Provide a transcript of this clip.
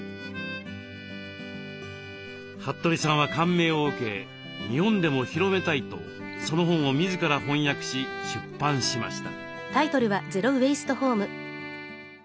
服部さんは感銘を受け日本でも広めたいとその本を自ら翻訳し出版しました。